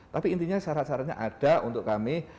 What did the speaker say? tapi intinya syarat syaratnya ada untuk kami